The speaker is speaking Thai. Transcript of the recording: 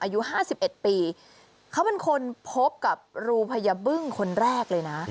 อายุ๕๑ปีเขาเป็นคนพบกับรูพญาบึ้งคนแรกเลยนะ